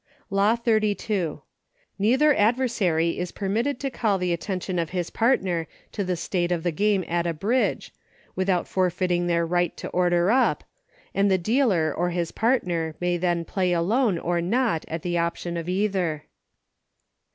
102 EUCHRE. Law XXXII. Neither adversary is permitted to call the attention of his partner to the state of the game at a Bridge, without forfeiting their right to order up, and the dealer, or his partner, may then Play Alone, or not, at the option of either.